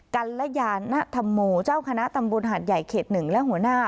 กัลยานธรรมโมเจ้าคณะตำบลหาดใหญ่เขต๑และหัวหน้า